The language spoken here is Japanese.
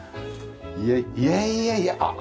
いやいやいやあっ！